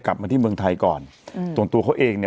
กลับมาที่เมืองไทยก่อนอืมส่วนตัวเขาเองเนี่ย